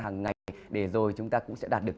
hàng ngày để rồi chúng ta cũng sẽ đạt được